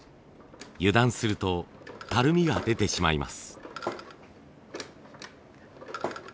油断するとたるみが出てしまいます。